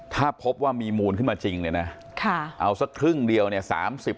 ถ้าพบว่ามีมูลขึ้นมาจริงเนี่ยนะเอาสักครึ่งเดียวเนี่ย